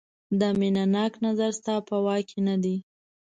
دا مینه ناک نظر ستا په واک کې نه دی.